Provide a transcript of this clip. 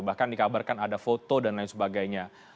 bahkan dikabarkan ada foto dan lain sebagainya